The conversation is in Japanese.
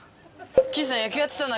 岸さん